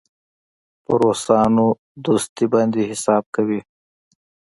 پر روسانو دوستي باندې حساب کوي.